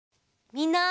みんな！